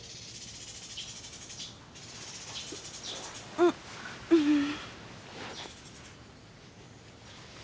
うっうーん。